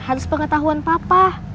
harus pengetahuan papa